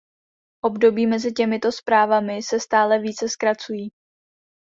Období mezi těmito zprávami se stále více zkracují.